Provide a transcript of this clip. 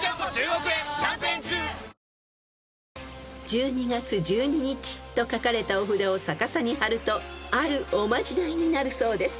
［「十二月十二日」と書かれたお札を逆さに張るとあるおまじないになるそうです］